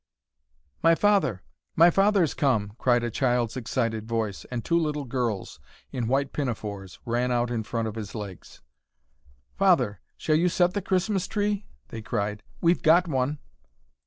"My father my father's come!" cried a child's excited voice, and two little girls in white pinafores ran out in front of his legs. "Father, shall you set the Christmas Tree?" they cried. "We've got one!"